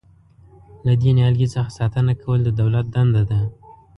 له دې نیالګي څخه ساتنه کول د دولت دنده ده.